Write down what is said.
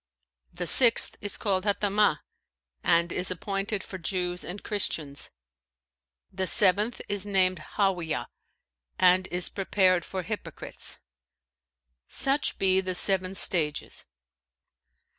The sixth is called Hatamah and is appointed for Jews and Christians. The seventh is named Hαwiyah and is prepared for hypocrites. Such be the seven stages.'